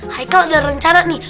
haikal udah rencana nih